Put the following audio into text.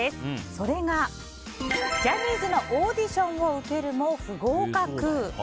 それがジャニーズのオーディションを受けるも不合格。